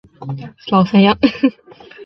至建炎三年京东两路皆已沦陷。